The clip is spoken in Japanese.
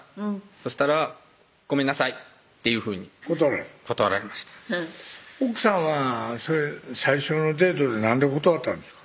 そしたら「ごめんなさい」っていうふうに断られた断られました奥さんはそれ最初のデートでなんで断ったんですか？